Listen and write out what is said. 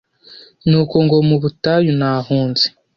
' Nuko ngo butayu nahunze.